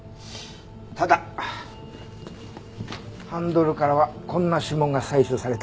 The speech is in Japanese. ただハンドルからはこんな指紋が採取された。